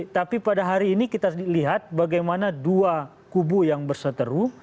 tapi pada hari ini kita lihat bagaimana dua kubu yang berseteru